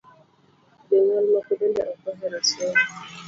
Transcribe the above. Jonyuol moko bende ok ohero somo